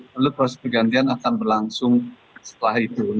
lalu proses pergantian akan berlangsung setelah itu